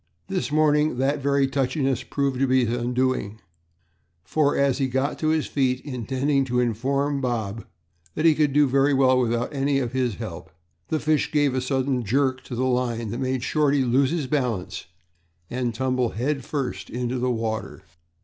This morning that very touchiness proved to be his undoing, for, as he got to his feet, intending to inform Bob that he could do very well without any of his help, the fish gave a sudden jerk to the line that made Shorty lose his balance and tumble head first into the water.